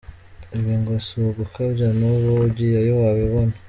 Ibi ngo si ugukabya, n’ubu ugiyeyo wabibona.